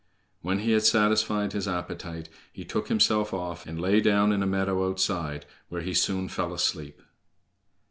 When he had satisfied his appetite, he took himself off, and lay down in a meadow outside, where he soon fell asleep.